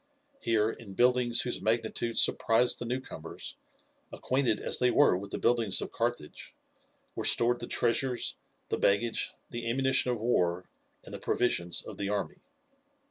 Here, in buildings whose magnitude surprised the newcomers, acquainted as they were with the buildings of Carthage, were stored the treasures, the baggage, the ammunition of war, and the provisions of the army.